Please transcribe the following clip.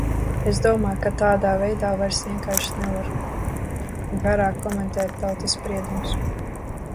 Es domāju, ka tādā veidā vairs vienkārši nevar garāk komentēt tādus spriedumus.